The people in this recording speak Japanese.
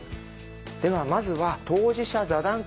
ではまずは当事者座談会。